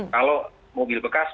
kalau mobil bekas